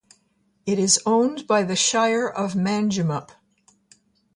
It is owned by the Shire of Manjimup.